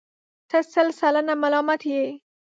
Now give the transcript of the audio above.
ته سل سلنه ملامت یې.